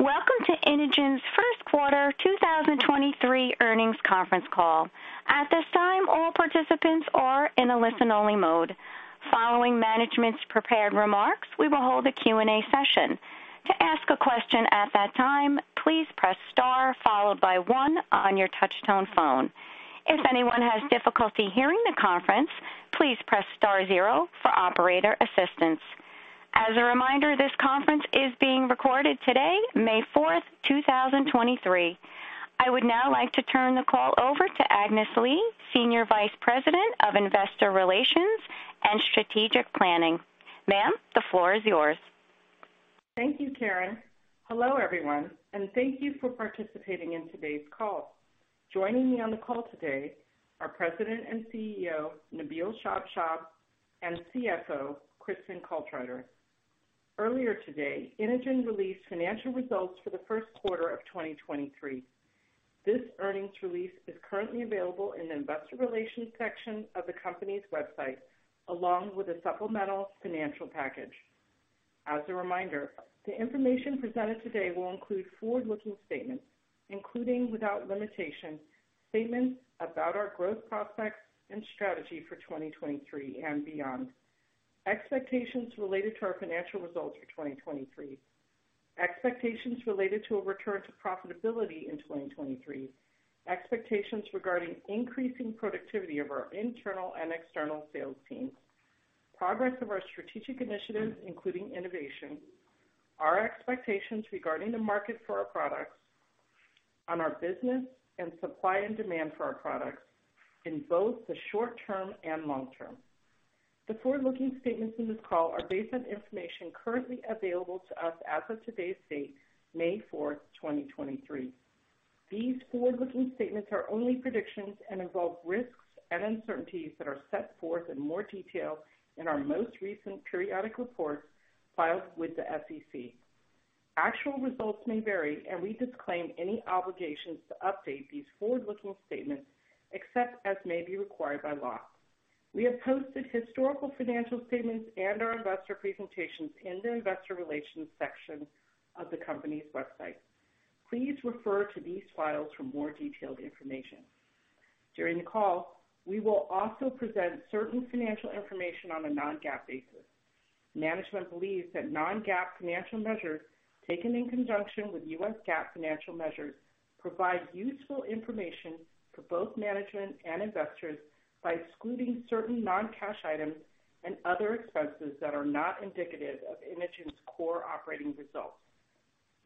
Welcome to Inogen's first quarter 2023 earnings conference call. At this time, all participants are in a listen-only mode. Following management's prepared remarks, we will hold a Q&A session. To ask a question at that time, please press star followed by one on your touchtone phone. If anyone has difficulty hearing the conference, please press star zero for operator assistance. As a reminder, this conference is being recorded today, May fourth, 2023. I would now like to turn the call over to Agnes Lee, Senior Vice President of Investor Relations and Strategic Planning. Ma'am, the floor is yours. Thank you, Karen. Hello, everyone, thank you for participating in today's call. Joining me on the call today are President and CEO, Nabil Shabshab, and CFO, Kristin Caltrider. Earlier today, Inogen released financial results for the first quarter of 2023. This earnings release is currently available in the investor relations section of the company's website, along with a supplemental financial package. As a reminder, the information presented today will include forward-looking statements, including without limitation, statements about our growth prospects and strategy for 2023 and beyond, expectations related to our financial results for 2023, expectations related to a return to profitability in 2023, expectations regarding increasing productivity of our internal and external sales teams, progress of our strategic initiatives, including innovation, our expectations regarding the market for our products on our business and supply and demand for our products in both the short-term and long-term. The forward-looking statements in this call are based on information currently available to us as of today's date, May 4, 2023. These forward-looking statements are only predictions and involve risks and uncertainties that are set forth in more detail in our most recent periodic reports filed with the SEC. Actual results may vary, and we disclaim any obligations to update these forward-looking statements except as may be required by law. We have posted historical financial statements and our investor presentations in the investor relations section of the company's website. Please refer to these files for more detailed information. During the call, we will also present certain financial information on a non-GAAP basis. Management believes that non-GAAP financial measures taken in conjunction with US GAAP financial measures provide useful information for both management and investors by excluding certain non-cash items and other expenses that are not indicative of Inogen's core operating results.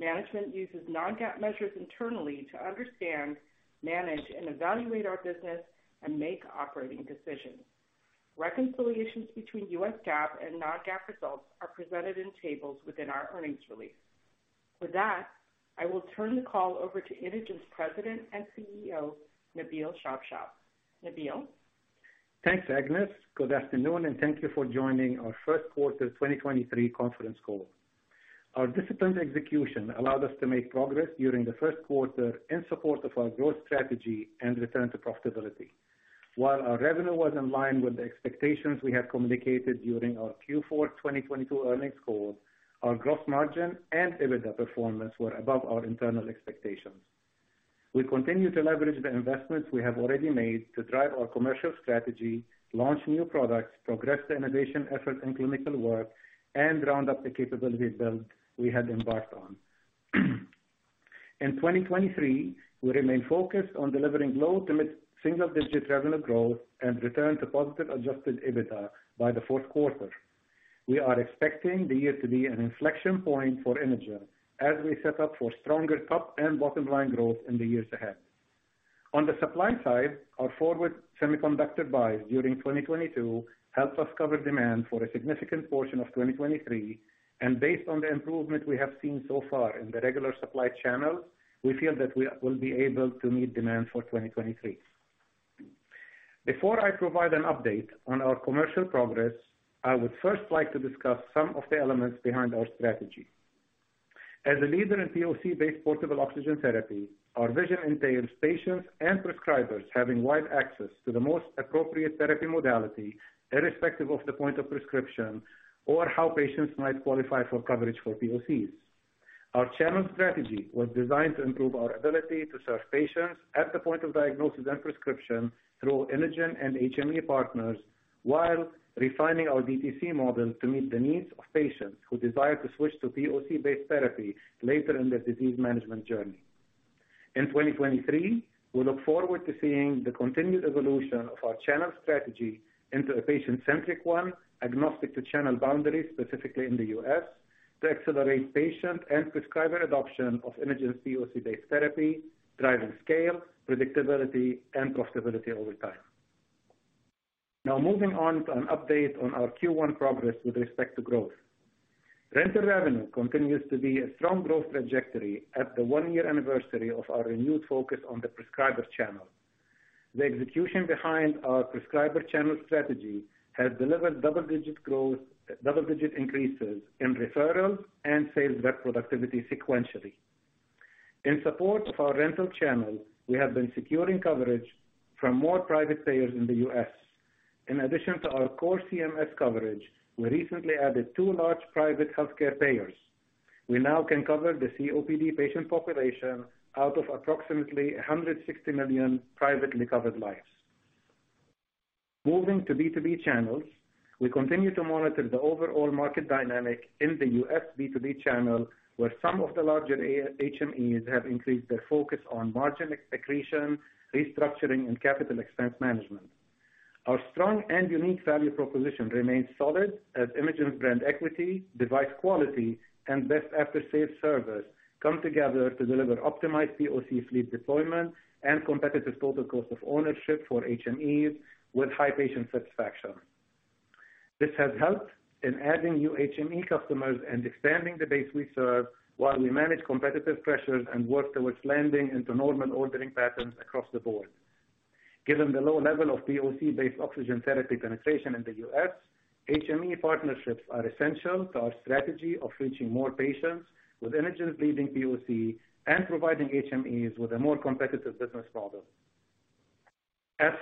Management uses non-GAAP measures internally to understand, manage, and evaluate our business and make operating decisions. Reconciliations between US GAAP and non-GAAP results are presented in tables within our earnings release. With that, I will turn the call over to Inogen's President and CEO, Nabil Shabshab. Nabil. Thanks, Agnes. Good afternoon, and thank you for joining our first quarter 2023 conference call. Our disciplined execution allowed us to make progress during the first quarter in support of our growth strategy and return to profitability. While our revenue was in line with the expectations we had communicated during our Q4 2022 earnings call, our gross margin and EBITDA performance were above our internal expectations. We continue to leverage the investments we have already made to drive our commercial strategy, launch new products, progress the innovation effort and clinical work, and round up the capability build we had embarked on. In 2023, we remain focused on delivering low to mid-single-digit revenue growth and return to positive adjusted EBITDA by the fourth quarter. We are expecting the year to be an inflection point for Inogen as we set up for stronger top and bottom line growth in the years ahead. On the supply side, our forward semiconductor buys during 2022 helped us cover demand for a significant portion of 2023. Based on the improvement we have seen so far in the regular supply channel, we feel that we will be able to meet demand for 2023. Before I provide an update on our commercial progress, I would first like to discuss some of the elements behind our strategy. As a leader in POC-based portable oxygen therapy, our vision entails patients and prescribers having wide access to the most appropriate therapy modality, irrespective of the point of prescription or how patients might qualify for coverage for POCs. Our channel strategy was designed to improve our ability to serve patients at the point of diagnosis and prescription through Inogen and HME partners while refining our DTC model to meet the needs of patients who desire to switch to POC-based therapy later in their disease management journey. In 2023, we look forward to seeing the continued evolution of our channel strategy into a patient-centric one, agnostic to channel boundaries, specifically in the US, to accelerate patient and prescriber adoption of Inogen's POC-based therapy, driving scale, predictability, and profitability over time. Moving on to an update on our Q1 progress with respect to growth. Rental revenue continues to be a strong growth trajectory at the one-year anniversary of our renewed focus on the prescriber channel. / The execution behind our prescriber channel strategy has delivered double-digit increases in referrals and sales rep productivity sequentially. In support of our rental channel, we have been securing coverage from more private payers in the U.S. In addition to our core CMS coverage, we recently added two large private healthcare payers. We now can cover the COPD patient population out of approximately 160 million privately covered lives. Moving to B2B channels, we continue to monitor the overall market dynamic in the U.S. B2B channel, where some of the larger HMEs have increased their focus on margin accretion, restructuring and capital expense management. Our strong and unique value proposition remains solid as Inogen's brand equity, device quality, and best after-sales service come together to deliver optimized POC fleet deployment and competitive total cost of ownership for HMEs with high patient satisfaction. This has helped in adding new HME customers and expanding the base we serve while we manage competitive pressures and work towards landing into normal ordering patterns across the board. Given the low level of POC-based oxygen therapy penetration in the U.S., HME partnerships are essential to our strategy of reaching more patients with Inogen's leading POC and providing HMEs with a more competitive business model.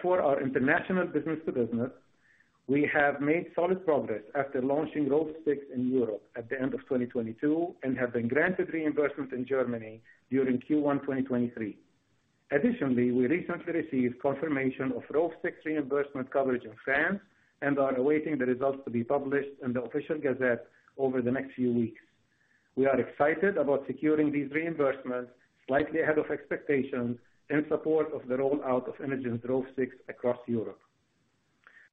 Our international business-to-business, we have made solid progress after launching Rove 6 in Europe at the end of 2022 and have been granted reimbursements in Germany during Q1, 2023. We recently received confirmation of Rove 6 reimbursement coverage in France and are awaiting the results to be published in the official gazette over the next few weeks. We are excited about securing these reimbursements slightly ahead of expectations in support of the rollout of Inogen's Rove 6 across Europe.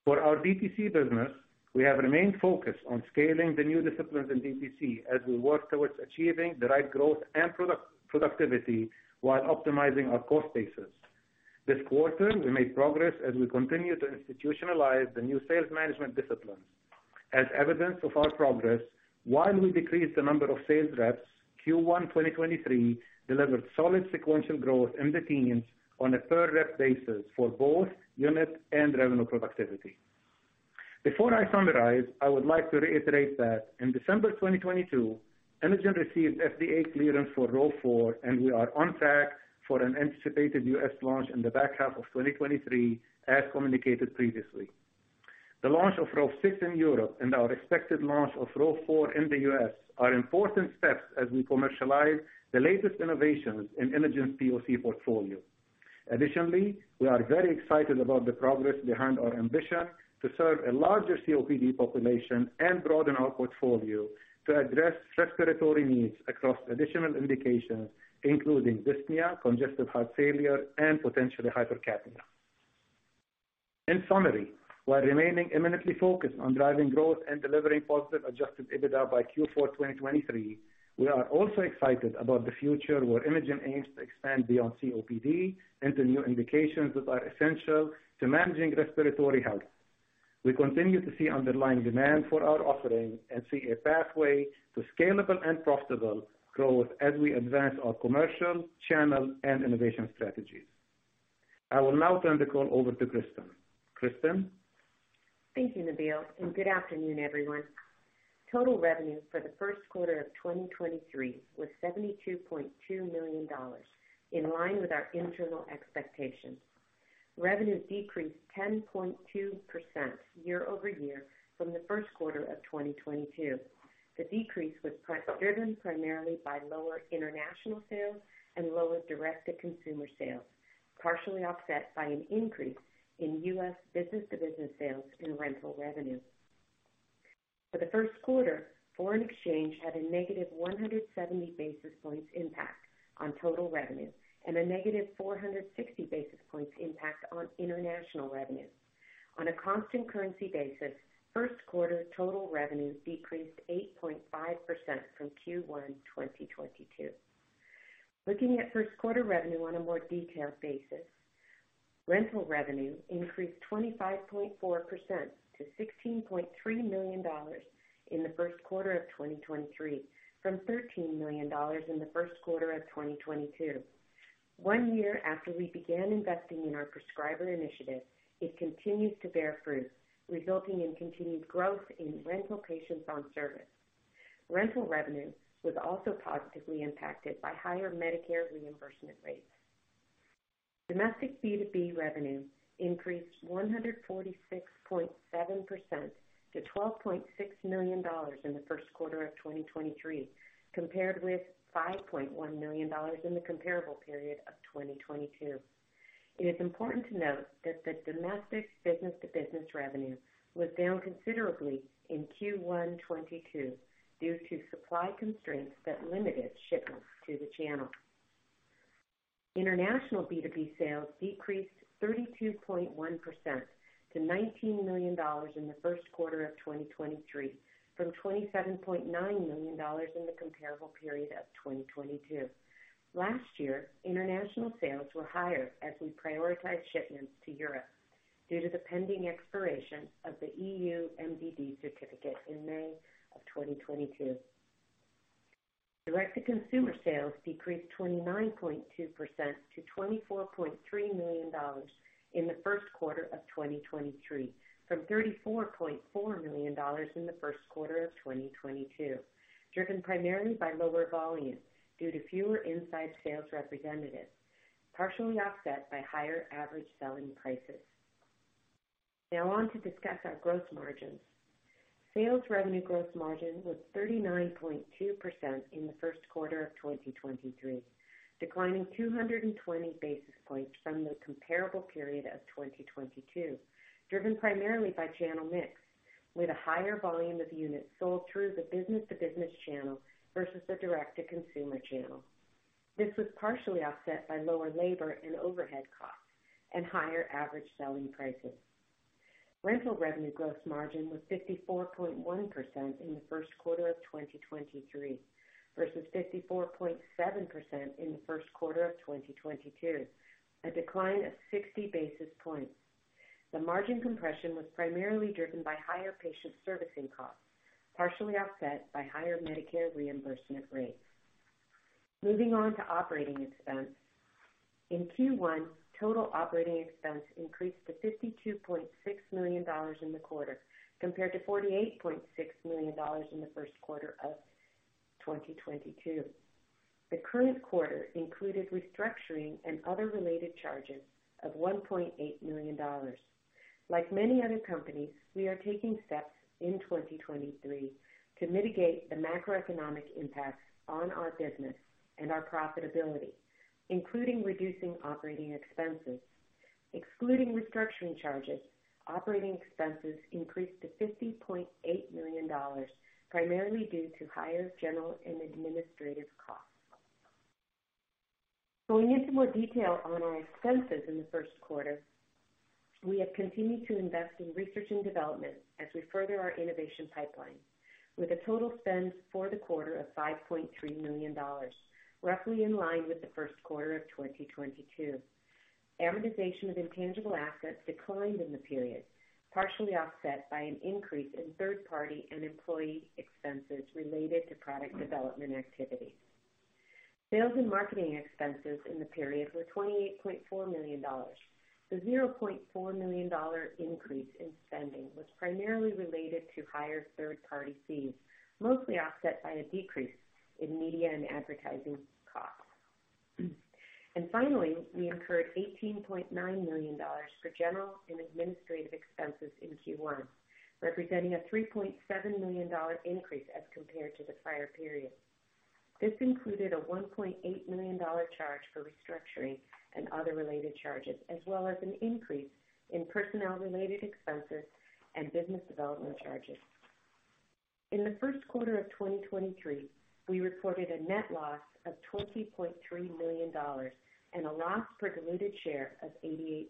For our DTC business, we have remained focused on scaling the new disciplines in DTC as we work towards achieving the right growth and productivity while optimizing our cost basis. This quarter, we made progress as we continue to institutionalize the new sales management discipline. As evidence of our progress, while we decreased the number of sales reps, Q1 2023 delivered solid sequential growth in the teams on a per-rep basis for both unit and revenue productivity. Before I summarize, I would like to reiterate that in December 2022, Inogen received FDA clearance for Rove 4 and we are on track for an anticipated US launch in the back half of 2023, as communicated previously. The launch of Rove 6 in Europe and our expected launch of Rove 4 in the US are important steps as we commercialize the latest innovations in Inogen's POC portfolio. Additionally, we are very excited about the progress behind our ambition to serve a larger COPD population and broaden our portfolio to address respiratory needs across additional indications including dyspnea, congestive heart failure, and potentially hypercapnia. In summary, while remaining imminently focused on driving growth and delivering positive adjusted EBITDA by Q4 2023, we are also excited about the future where Inogen aims to expand beyond COPD into new indications that are essential to managing respiratory health. We continue to see underlying demand for our offerings and see a pathway to scalable and profitable growth as we advance our commercial, channel, and innovation strategies. I will now turn the call over to Kristin. Kristin? Thank you, Nabil. Good afternoon, everyone. Total revenue for the first quarter of 2023 was $72.2 million, in line with our internal expectations. Revenue decreased 10.2% year-over-year from the first quarter of 2022. The decrease was driven primarily by lower international sales and lower direct-to-consumer sales, partially offset by an increase in U.S. business-to-business sales and rental revenue. For the first quarter, foreign exchange had a negative 170 basis points impact on total revenue and a negative 460 basis points impact on international revenue. On a constant currency basis, first quarter total revenue decreased 8.5% from Q1, 2022. Looking at first quarter revenue on a more detailed basis, rental revenue increased 25.4% to $16.3 million in the first quarter of 2023, from $13 million in the first quarter of 2022. One year after we began investing in our prescriber initiative, it continues to bear fruit, resulting in continued growth in rental patients on service. Rental revenue was also positively impacted by higher Medicare reimbursement rates. Domestic B2B revenue increased 146.7% to $12.6 million in the first quarter of 2023, compared with $5.1 million in the comparable period of 2022. It is important to note that the domestic business-to-business revenue was down considerably in Q1 2022 due to supply constraints that limited shipments to the channel. International B2B sales decreased 32.1% to $19 million in the first quarter of 2023, from $27.9 million in the comparable period of 2022. Last year, international sales were higher as we prioritized shipments to Europe due to the pending expiration of the EU MDD certificate in May of 2022. Direct-to-consumer sales decreased 29.2% to $24.3 million in the first quarter of 2023, from $34.4 million in the first quarter of 2022, driven primarily by lower volumes due to fewer inside sales representatives, partially offset by higher average selling prices. Now on to discuss our growth margins. Sales revenue growth margin was 39.2% in the first quarter of 2023, declining 220 basis points from the comparable period of 2022, driven primarily by channel mix, with a higher volume of units sold through the business-to-business channel versus the direct-to-consumer channel. This was partially offset by lower labor and overhead costs and higher average selling prices. Rental revenue growth margin was 54.1% in the first quarter of 2023 versus 54.7% in the first quarter of 2022, a decline of 60 basis points. The margin compression was primarily driven by higher patient servicing costs, partially offset by higher Medicare reimbursement rates. Moving on to operating expense. In Q1, total operating expense increased to $52.6 million in the quarter compared to $48.6 million in the first quarter of 2022. The current quarter included restructuring and other related charges of $1.8 million. Like many other companies, we are taking steps in 2023 to mitigate the macroeconomic impact on our business and our profitability, including reducing operating expenses. Excluding restructuring charges, operating expenses increased to $50.8 million, primarily due to higher general and administrative costs. Going into more detail on our expenses in the first quarter, we have continued to invest in research and development as we further our innovation pipeline, with a total spend for the quarter of $5.3 million, roughly in line with the first quarter of 2022. Amortization of intangible assets declined in the period, partially offset by an increase in third-party and employee expenses related to product development activities. Sales and marketing expenses in the period were $28.4 million. The $0.4 million increase in spending was primarily related to higher third-party fees, mostly offset by a decrease in media and advertising costs. Finally, we incurred $18.9 million for general and administrative expenses in Q1, representing a $3.7 million increase as compared to the prior period. This included a $1.8 million charge for restructuring and other related charges, as well as an increase in personnel-related expenses and business development charges. In the first quarter of 2023, we reported a net loss of $20.3 million and a loss per diluted share of $0.88.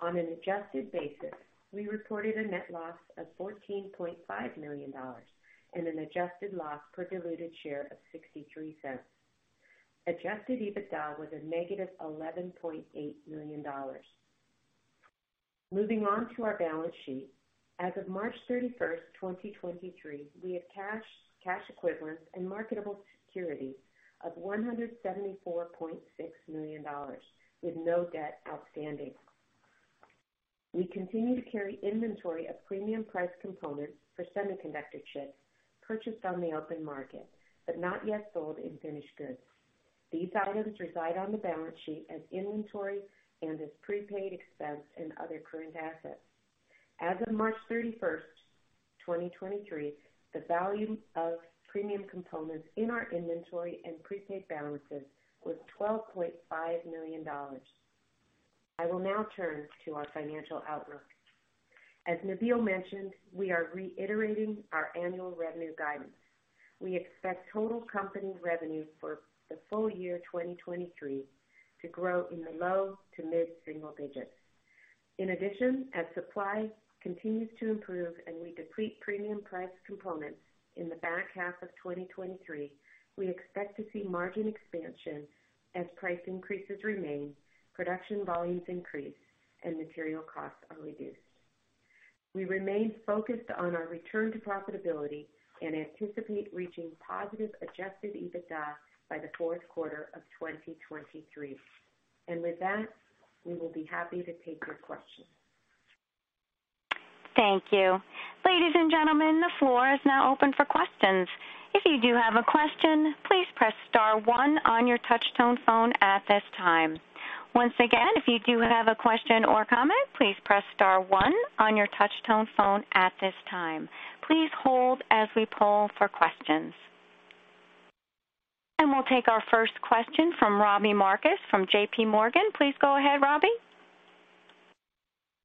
On an adjusted basis, we reported a net loss of $14.5 million and an adjusted loss per diluted share of $0.63. Adjusted EBITDA was a negative $11.8 million. Moving on to our balance sheet. As of March 31st, 2023, we had cash equivalents and marketable securities of $174.6 million with no debt outstanding. We continue to carry inventory of premium price components for semiconductor chips purchased on the open market, but not yet sold in finished goods. These items reside on the balance sheet as inventory and as prepaid expense and other current assets. As of March 31st, 2023, the value of premium components in our inventory and prepaid balances was $12.5 million. I will now turn to our financial outlook. As Nabil mentioned, we are reiterating our annual revenue guidance. We expect total company revenue for the full year 2023 to grow in the low to mid-single digits. In addition, as supply continues to improve and we deplete premium price components in the back half of 2023, we expect to see margin expansion as price increases remain, production volumes increase, and material costs are reduced. We remain focused on our return to profitability and anticipate reaching positive adjusted EBITDA by the fourth quarter of 2023. With that, we will be happy to take your questions. Thank you. Ladies and gentlemen, the floor is now open for questions. If you do have a question, please press star one on your touch-tone phone at this time. Once again, if you do have a question or comment, please press star one on your touch-tone phone at this time. Please hold as we poll for questions. We'll take our first question from Robbie Marcus from J.P. Morgan. Please go ahead, Robbie.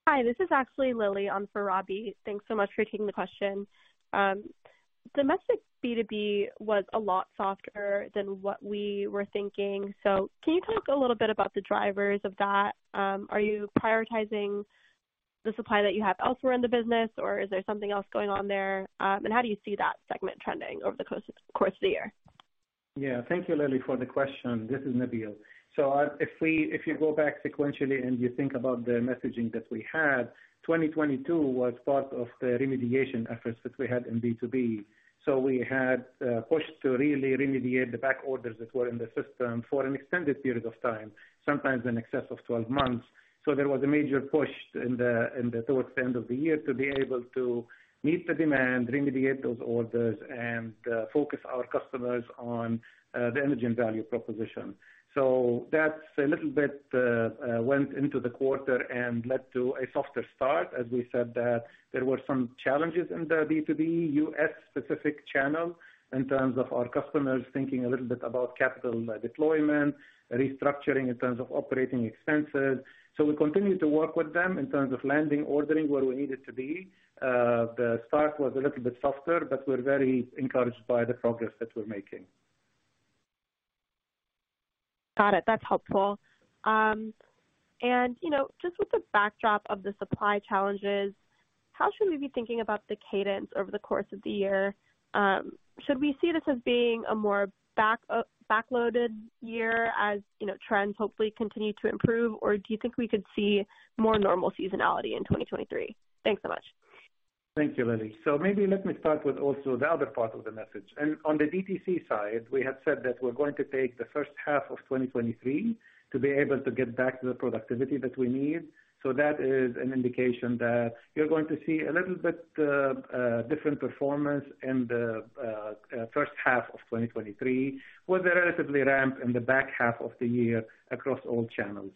Hi, this is actually Lilly. I'm for Robbie. Thanks so much for taking the question. Domestic B2B was a lot softer than what we were thinking. Can you talk a little bit about the drivers of that? Are you prioritizing the supply that you have elsewhere in the business, or is there something else going on there? How do you see that segment trending over the course of the year? Yeah. Thank you, Lilly, for the question. This is Nabil. If you go back sequentially and you think about the messaging that we had, 2022 was part of the remediation efforts that we had in B2B. We had pushed to really remediate the back orders that were in the system for an extended period of time, sometimes in excess of 12 months. There was a major push in the towards the end of the year to be able to meet the demand, remediate those orders and focus our customers on the Inogen value proposition. That's a little bit went into the quarter and led to a softer start. As we said that there were some challenges in the B2B U.S. specific channel in terms of our customers thinking a little bit about capital deployment, restructuring in terms of operating expenses. We continue to work with them in terms of landing, ordering where we needed to be. The start was a little bit softer, but we're very encouraged by the progress that we're making. Got it. That's helpful. You know, just with the backdrop of the supply challenges, how should we be thinking about the cadence over the course of the year? Should we see this as being a more backloaded year as, you know, trends hopefully continue to improve? Or do you think we could see more normal seasonality in 2023? Thanks so much. Thank you, Lilly. Maybe let me start with also the other part of the message. On the DTC side, we had said that we're going to take the first half of 2023 to be able to get back to the productivity that we need. That is an indication that you're going to see a little bit different performance in the first half of 2023, with a relatively ramp in the back half of the year across all channels.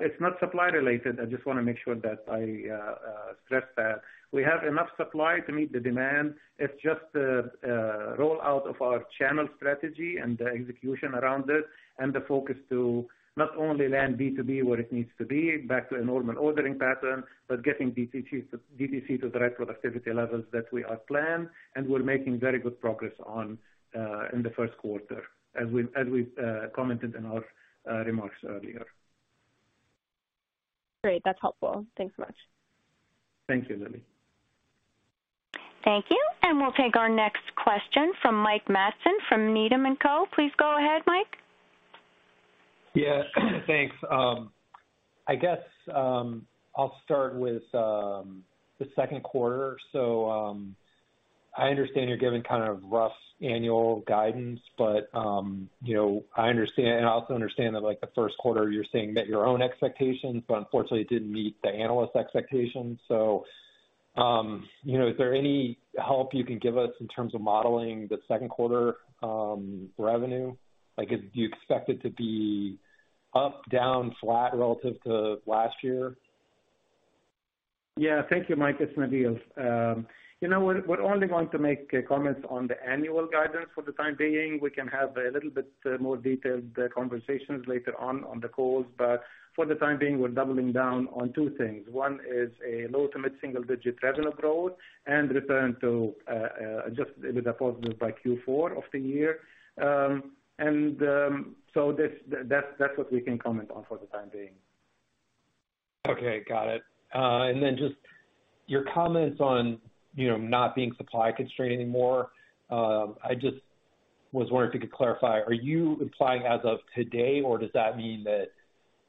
It's not supply related. I just wanna make sure that I stress that. We have enough supply to meet the demand. It's just the rollout of our channel strategy and the execution around it and the focus to not only land B2B where it needs to be back to a normal ordering pattern, but getting DTC to the right productivity levels that we have planned and we're making very good progress on, in the first quarter as we commented in our remarks earlier. Great. That's helpful. Thanks so much. Thank you, Lilly. Thank you. We'll take our next question from Mike Matson from Needham & Company. Please go ahead, Mike. Yeah, thanks. I guess, I'll start with the second quarter. I understand you're giving kind of rough annual guidance, but you know, I understand and I also understand that like the first quarter you're saying met your own expectations, but unfortunately it didn't meet the analyst expectations. You know, is there any help you can give us in terms of modeling the second quarter revenue? Like, do you expect it to be up, down, flat relative to last year? Yeah. Thank you, Mike. It's Nabil. You know what? We're only going to make comments on the annual guidance for the time being. We can have a little bit more detailed conversations later on on the calls, but for the time being, we're doubling down on two things. One is a low to mid-single digit revenue growth and return to just positive by Q4 of the year. That's what we can comment on for the time being. Okay, got it. Just your comments on, you know, not being supply constrained anymore. I just was wondering if you could clarify, are you implying as of today, or does that mean that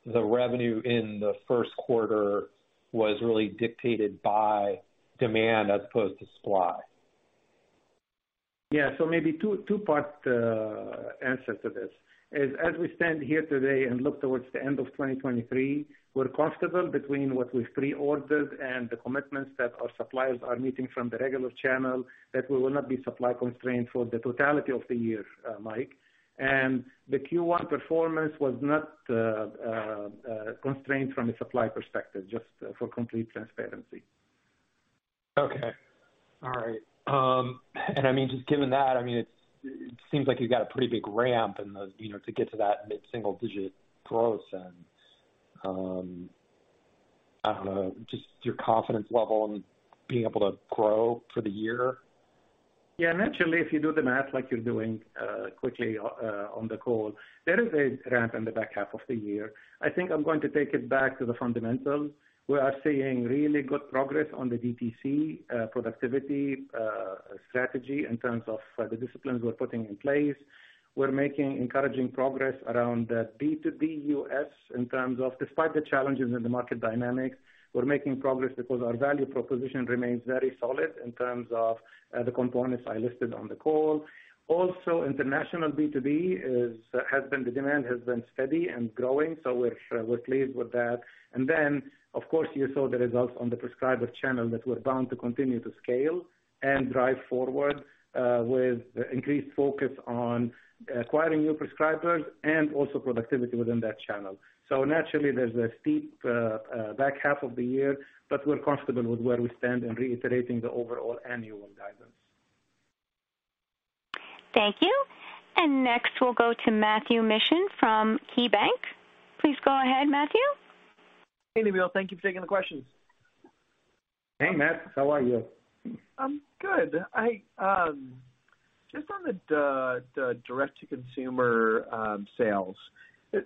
the revenue in the first quarter was really dictated by demand as opposed to supply? Yeah. Maybe two-part answer to this. As we stand here today and look towards the end of 2023, we're comfortable between what we've pre-ordered and the commitments that our suppliers are meeting from the regular channel that we will not be supply constrained for the totality of the year, Mike. The Q1 performance was not constrained from a supply perspective, just for complete transparency. Okay. All right. I mean, just given that, I mean, it seems like you've got a pretty big ramp in the, you know, to get to that mid-single digit growth and, I don't know, just your confidence level in being able to grow for the year? Yeah, naturally, if you do the math like you're doing, quickly, on the call, there is a ramp in the back half of the year. I think I'm going to take it back to the fundamentals. We are seeing really good progress on the DTC productivity strategy in terms of the disciplines we're putting in place. We're making encouraging progress around the B2B US in terms of despite the challenges in the market dynamics, we're making progress because our value proposition remains very solid in terms of the components I listed on the call. Also, international B2B has been, the demand has been steady and growing, so we're pleased with that. Of course, you saw the results on the prescriber channel that we're bound to continue to scale and drive forward, with increased focus on acquiring new prescribers and also productivity within that channel. Naturally there's a steep, back half of the year, but we're comfortable with where we stand in reiterating the overall annual guidance. Thank you. Next we'll go to Matthew Mishan from KeyBanc. Please go ahead, Matthew. Hey, Nabil. Thank you for taking the questions. Hey, Matt. How are you? I'm good. I, just on the direct to consumer sales, you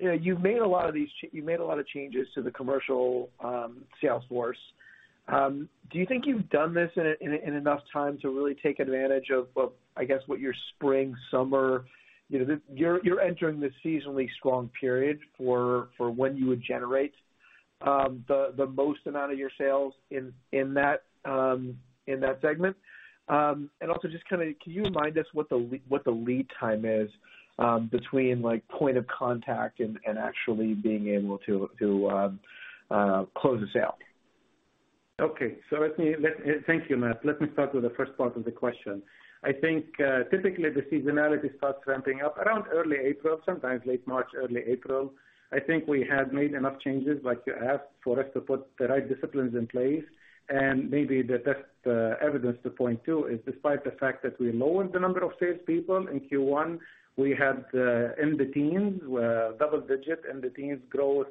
know, you've made a lot of changes to the commercial sales force. Do you think you've done this in enough time to really take advantage of, I guess, what your spring, summer, you know, you're entering the seasonally strong period for when you would generate the most amount of your sales in that segment. Also just kinda can you remind us what the lead time is between like point of contact and actually being able to close a sale? Okay. Let me thank you, Matt. Let me start with the first part of the question. I think typically the seasonality starts ramping up around early April, sometimes late March, early April. I think we have made enough changes like you asked for us to put the right disciplines in place and maybe the test evidence to point too is despite the fact that we lowered the number of sales people in Q1, we had in the teens, double digit in the teens growth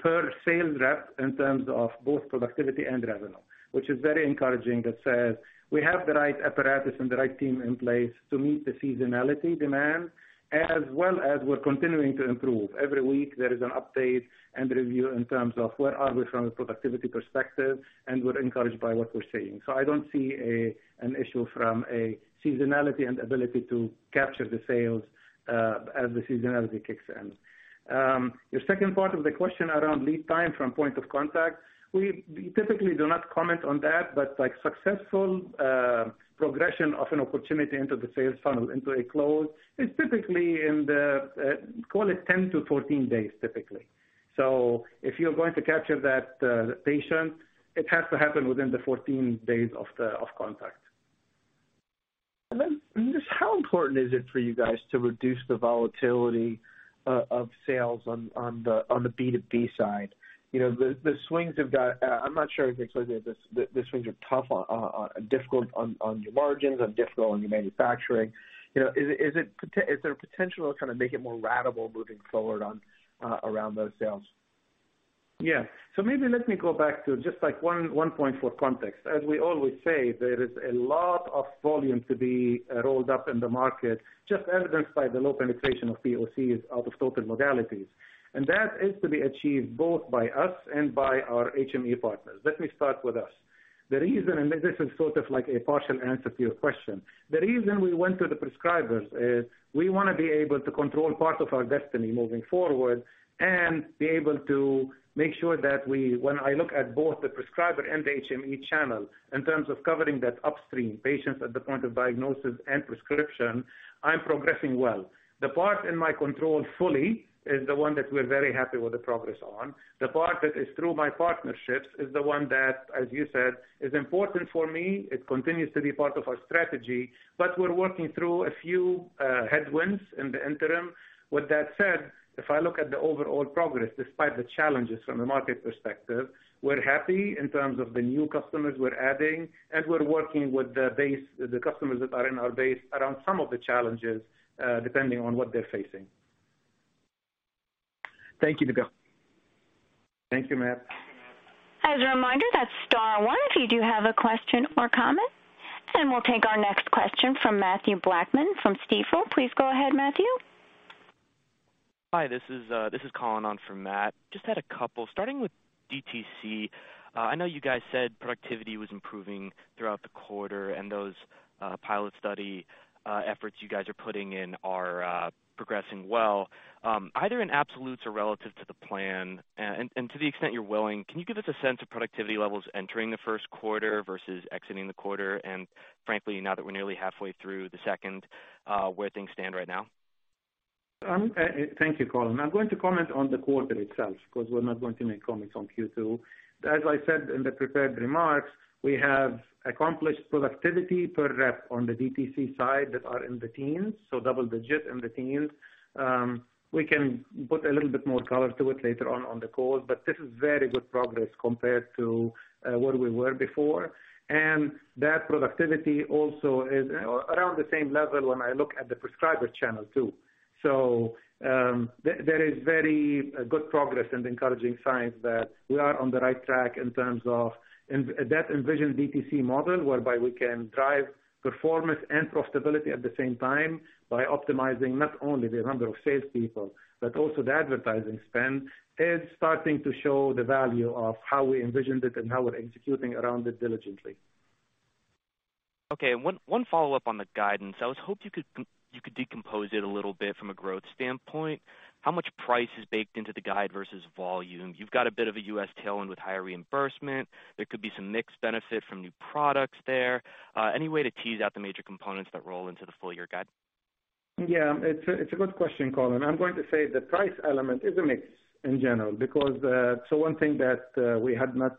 per sales rep in terms of both productivity and revenue. Which is very encouraging that says we have the right apparatus and the right team in place to meet the seasonality demand, as well as we're continuing to improve. Every week there is an update and review in terms of where are we from a productivity perspective. We're encouraged by what we're seeing. I don't see an issue from a seasonality and ability to capture the sales as the seasonality kicks in. Your second part of the question around lead time from point of contact, we typically do not comment on that, like successful progression of an opportunity into the sales funnel into a close is typically in the call it 10-14 days, typically. If you're going to capture that patient, it has to happen within the 14 days of contact. Just how important is it for you guys to reduce the volatility of sales on the B2B side? You know, the swings. I'm not sure if you explained this, the swings are tough on your margins and difficult on your manufacturing. You know, is there potential to kind of make it more ratable moving forward around those sales? Yeah. Maybe let me go back to just like one point for context. As we always say, there is a lot of volume to be rolled up in the market, just evidenced by the low penetration of POCs out of total modalities. That is to be achieved both by us and by our HME partners. Let me start with us. The reason, and this is sort of like a partial answer to your question. The reason we went to the prescribers is we wanna be able to control part of our destiny moving forward and be able to make sure that we, when I look at both the prescriber and the HME channel, in terms of covering that upstream patients at the point of diagnosis and prescription, I'm progressing well. The part in my control fully is the one that we're very happy with the progress on. The part that is through my partnerships is the one that, as you said, is important for me. It continues to be part of our strategy, but we're working through a few headwinds in the interim. With that said, if I look at the overall progress, despite the challenges from a market perspective, we're happy in terms of the new customers we're adding and we're working with the base, the customers that are in our base around some of the challenges, depending on what they're facing. Thank you, Nabil. Thank you, Matt. As a reminder, that's star one if you do have a question or comment. We'll take our next question from Mathew Blackman from Stifel. Please go ahead, Mathew. Hi, this is Colin on for Matt. Just had a couple starting with DTC. I know you guys said productivity was improving throughout the quarter and those pilot study efforts you guys are putting in are progressing well. Either in absolutes or relative to the plan, and to the extent you're willing, can you give us a sense of productivity levels entering the first quarter versus exiting the quarter? Frankly, now that we're nearly halfway through the second, where things stand right now? Thank you, Colin. I'm going to comment on the quarter itself because we're not going to make comments on Q2. As I said in the prepared remarks, we have accomplished productivity per rep on the DTC side that are in the teens, so double digits in the teens. We can put a little bit more color to it later on on the call, but this is very good progress compared to where we were before. That productivity also is around the same level when I look at the prescriber channel too. There is very good progress and encouraging signs that we are on the right track in terms of that envisioned DTC model, whereby we can drive performance and profitability at the same time by optimizing not only the number of sales people, but also the advertising spend is starting to show the value of how we envisioned it and how we're executing around it diligently. Okay, one follow-up on the guidance. I hoped you could decompose it a little bit from a growth standpoint. How much price is baked into the guide versus volume? You've got a bit of a U.S. tailwind with higher reimbursement. There could be some mix benefit from new products there. Any way to tease out the major components that roll into the full year guide? It's a good question, Colin. I'm going to say the price element is a mix in general because one thing that we had not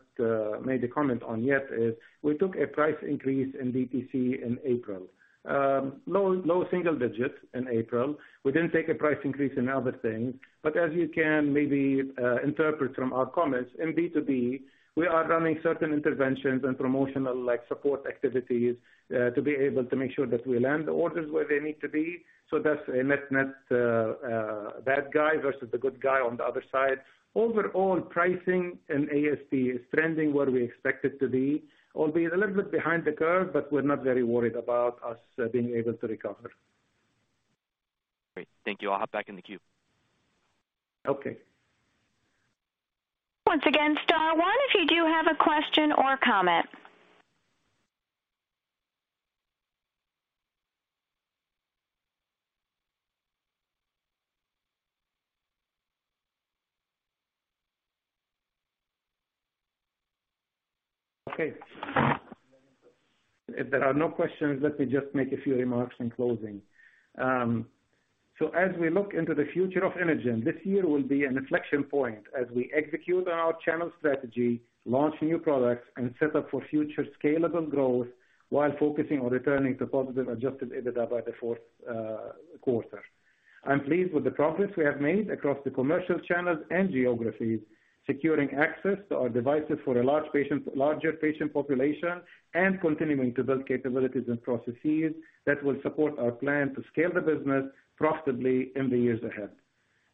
made a comment on yet is we took a price increase in DTC in April. Low single digits in April. We didn't take a price increase in other things, as you can maybe interpret from our comments in B2B, we are running certain interventions and promotional like support activities to be able to make sure that we land the orders where they need to be. That's a net bad guy versus the good guy on the other side. Overall, pricing and ASP is trending where we expect it to be, albeit a little bit behind the curve, but we're not very worried about us being able to recover. Great. Thank you. I'll hop back in the queue. Okay. Once again, star one if you do have a question or comment. If there are no questions, let me just make a few remarks in closing. As we look into the future of Inogen, this year will be an inflection point as we execute on our channel strategy, launch new products, and set up for future scalable growth while focusing on returning to positive adjusted EBITDA by the fourth quarter. I'm pleased with the progress we have made across the commercial channels and geographies, securing access to our devices for a larger patient population, and continuing to build capabilities and processes that will support our plan to scale the business profitably in the years ahead.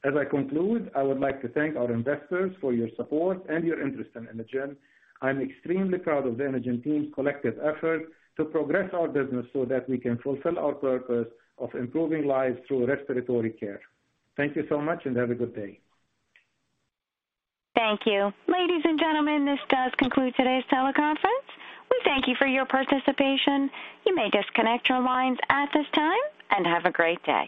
As I conclude, I would like to thank our investors for your support and your interest in Inogen. I'm extremely proud of the Inogen team's collective effort to progress our business so that we can fulfill our purpose of improving lives through respiratory care. Thank you so much and have a good day. Thank you. Ladies and gentlemen, this does conclude today's teleconference. We thank you for your participation. You may disconnect your lines at this time and have a great day.